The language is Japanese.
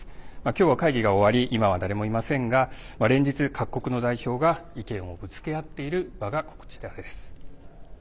今日は会議が終わり今は誰もいませんが連日、各国の代表が意見をぶつけ合っている場がこちらです。